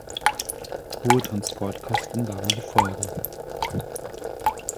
Hohe Transportkosten waren die Folge.